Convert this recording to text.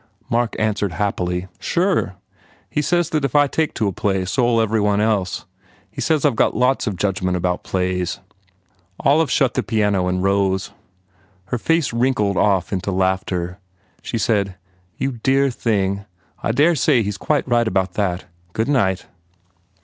Mark answered happily, "Sure. He says that if I take to a play so ll every one else. He says I ve got lots of judgment about plays." Olive shut the piano and rose. Her face wrinkled off into laughter. She said, "You dear thing! I dare say he s quite right about that. Good night."